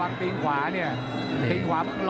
กระหน่าที่น้ำเงินก็มีเสียเอ็นจากอุบลนะครับ